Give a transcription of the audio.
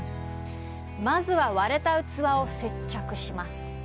まずは割れた器を接着します。